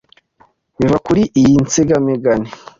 biva kuri iyi nsigamigani.